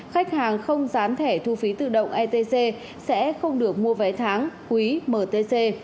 khách hàng không gián thẻ thu phí tự động etc sẽ không được mua vé tháng quý mtc